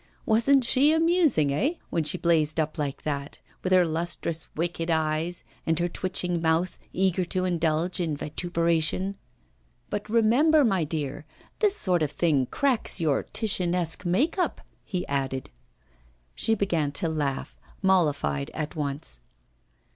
Wasn't she amusing, eh? when she blazed up like that, with her lustrous wicked eyes, and her twitching mouth, eager to indulge in vituperation? 'But remember, my dear, this sort of thing cracks your Titianesque "make up,"' he added. She began to laugh, mollified at once.